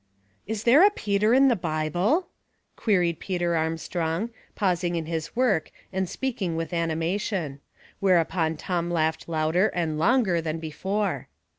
'* Is there a Peter in the Bible ?" queried Pe ,er Armstrong, pausing in his work and speaking with animation. Whereupon Tom laughed lender and longer than before.